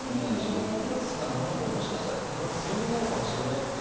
コンプレックスなものももしかしたらこのあと強みになるかもしれないっていう。